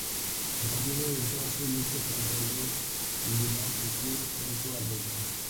A partir de entonces lucha contra los Digimons oscuros junto al resto.